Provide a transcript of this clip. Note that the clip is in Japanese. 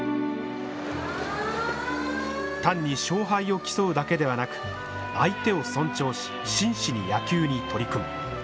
単に勝敗を競うだけではなく相手を尊重し真摯に野球に取り組む。